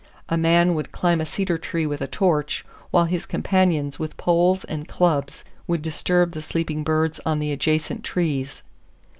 A man would climb a cedar tree with a torch, while his companions with poles and clubs would disturb the sleeping birds on the adjacent trees.